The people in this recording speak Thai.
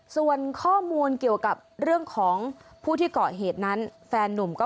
ส่วนข้อมูลเกี่ยวกับเรื่องของผู้ที่เกาะเหตุนั้นแฟนนุ่มก็